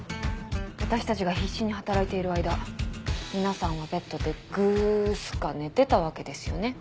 私たちが必死に働いている間皆さんはベッドでぐすか寝てたわけですよね。